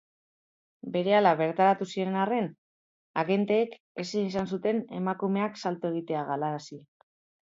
Berehala bertaratu ziren arren, agenteek ezin izan zuten emakumeak salto egitea galarazi.